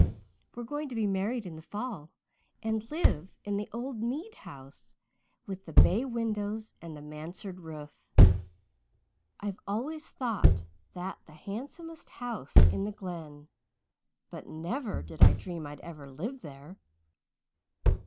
We're going to be married in the fall and live in the old Mead house with the bay windows and the mansard roof. I've always thought that the handsomest house in the Glen, but never did I dream I'd ever live there.